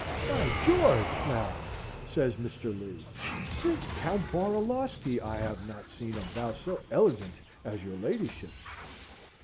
"By George! madam," says Mr. Lee, "since Count Borulawski, I have not seen a bow so elegant as your ladyship's."